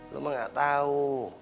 lu mah gak tau